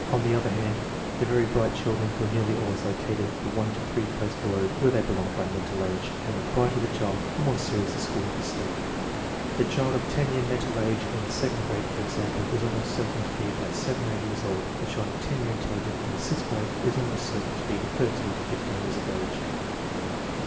On the other hand, the very bright children were 'nearly always located from one to three grades below where they belonged by mental age, and the brighter the child the more serious the school's mistake. The child of 10 year mental age in the second grade, for example, is almost certain to be about 7 or 8 years old; the child of 10 year intelligence in the sixth grade is almost certain to be 13 to 15 years of age.